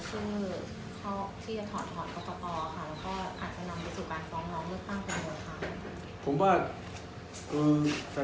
ก็คือข้อที่จะถอดกฎกตอบค่ะแล้วก็อาจจะนำไปสู่การพร้อมน้องเลือกตั้งการเงินค้า